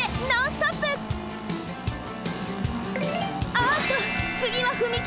あっとつぎは踏切！